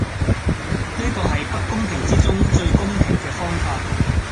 呢個係不公平之中最公平既方法